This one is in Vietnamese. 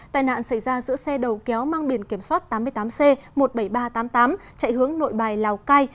tai nạn xảy ra giữa xe đầu kéo mang biển kiểm soát tám mươi tám c một mươi bảy nghìn ba trăm tám mươi tám chạy hướng nội bài lào cai